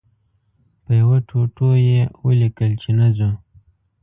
په یوه ټوټو یې ولیکل چې نه ځو.